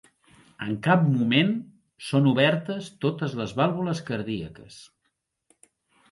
En cap moment són obertes totes les vàlvules cardíaques.